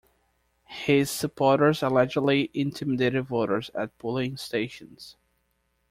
His supporters allegedly intimidated voters at polling stations.